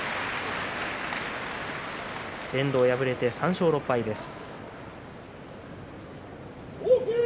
遠藤、破れて３勝６敗です。